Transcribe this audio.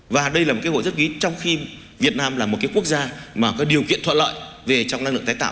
và đây là một cái hội giấc ký trong khi việt nam là một cái quốc gia mà có điều kiện thuận lợi về trong năng lượng tái tạo